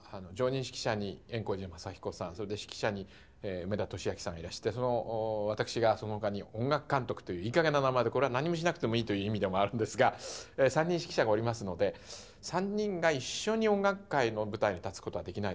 それで指揮者に梅田俊明さんがいらしてその私がそのほかに音楽監督といういいかげんな名前でこれは何にもしなくてもいいという意味でもあるんですが３人指揮者がおりますので３人が一緒に音楽会の舞台に立つことはできないだろうか。